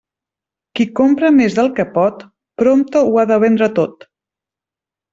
Qui compra més del que pot, prompte ho ha de vendre tot.